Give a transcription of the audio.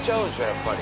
やっぱり。